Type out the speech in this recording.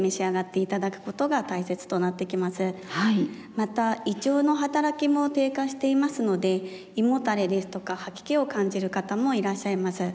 また胃腸の働きも低下していますので胃もたれですとか吐き気を感じる方もいらっしゃいます。